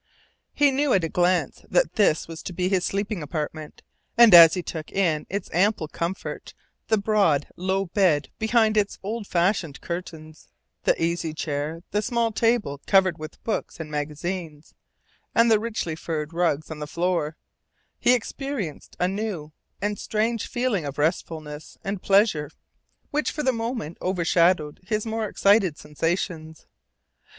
He knew at a glance that this was to be his sleeping apartment, and as he took in its ample comfort, the broad low bed behind its old fashioned curtains, the easy chairs, the small table covered with books and magazines, and the richly furred rugs on the floor, he experienced a new and strange feeling of restfulness and pleasure which for the moment overshadowed his more excited sensations.